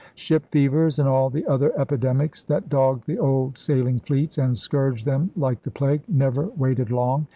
Ship fevers and all the other epidemics that dogged the old sailing fleets and scourged them like the plague never waited long.